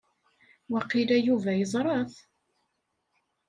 Waqila Yuba yeẓra-t.